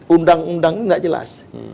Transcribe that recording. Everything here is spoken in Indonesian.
undang undang tidak jelas